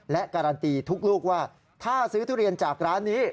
และการันตีทุกลูกว่าถ้าซื้อทุเรียนจากร้านนี้